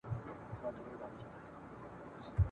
خدای یې په برخه کښلی عذاب دی ..